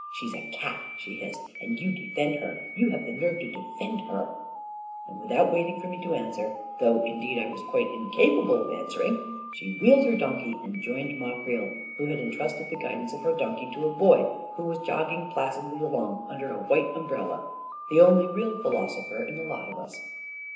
"She's a cat I" she hissed. "And you defend ber ! You have the nerve to defend her !" And without waiting for me to answer — though, indeed, I was quite incapable of answering! — she wheeled her donkey and joined Ma Creel, A KING IN BABYLON 137 who had entrusted the guidance of her donkey to a boy, and was jogging placidly along under a white umbrella, the only real philosopher in the lot of us!